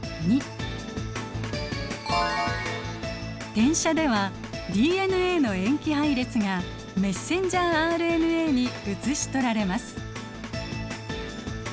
転写ではＤＮＡの塩基配列がメッセンジャーＲＮＡに写し取られます。